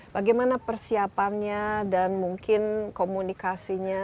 bagaimana persiapannya dan mungkin komunikasinya